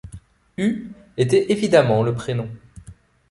U était évidemment le prénom.